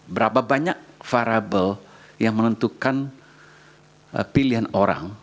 berapa banyak variable yang menentukan pilihan orang